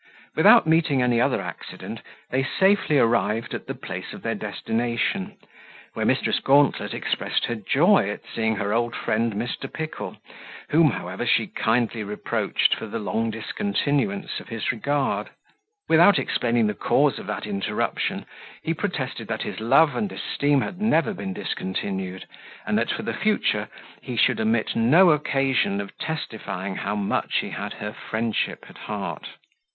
Without meeting with any other accident, they safely arrived at the place of their destination, where Mrs. Gauntlet expressed her joy at seeing her old friend Mr. Pickle, whom, however, she kindly reproached for the long discontinuance of his regard. Without explaining the cause of that interruption, he protested that his love and esteem had never been discontinued, and that for the future he should omit no occasion of testifying how much he had her friendship at heart.